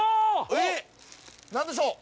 えっ何でしょう？